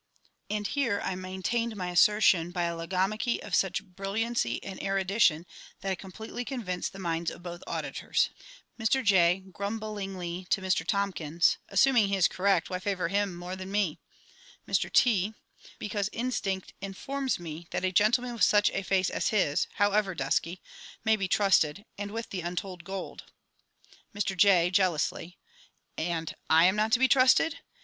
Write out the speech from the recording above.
[_And here I maintained my assertion by a logomachy of such brilliancy and erudition that I completely convinced the minds of both auditors._ Mr J. (grumblingly, to ~Mr TOMKINS~). Assuming he is correct, why favour him more than me? Mr T. Because instinct informs me that a gentleman with such a face as his however dusky may be trusted, and with the untold gold! Mr J. (jealously). And I am not to be trusted!